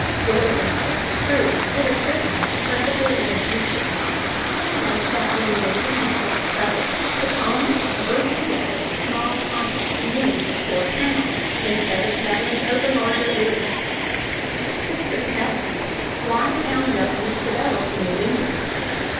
Whether or not this is true, it is certain that the principle is an ancient one, and that when New England was first settled, the colonists grouped together in small compact communities, or towns, instead of scattering over larger areas. 637. WHY TOWN GOVERNMENT DEVELOPED IN NEW ENGLAND.